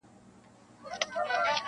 • څوک منصور نسته چي یې په دار کي -